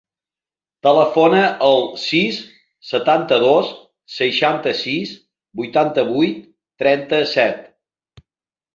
Telefona al sis, setanta-dos, seixanta-sis, vuitanta-vuit, trenta-set.